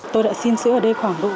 tôi đã xin sữa ở đây khoảng bốn năm lần